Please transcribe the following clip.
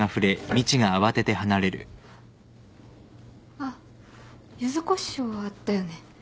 あっユズこしょうあったよね。